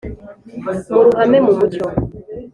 mu ruhame mu mucyo.